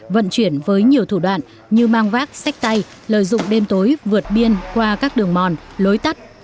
vận chuyển với nhiều thủ đoạn như mang vác sách tay lợi dụng đêm tối vượt biên qua các đường mòn lối tắt